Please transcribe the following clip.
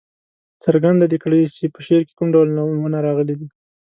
څرګنده دې کړي چې په شعر کې کوم ډول نومونه راغلي.